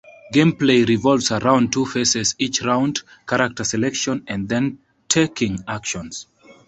Gameplay revolves around two phases each round, character selection and then taking actions.